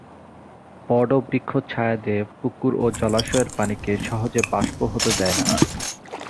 বড় বৃক্ষ ছায়া দিয়ে পুকুর ও জলাশয়ের পানিকে সহজে বাষ্প হতে দেয় না।